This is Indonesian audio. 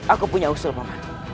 aku punya usul paman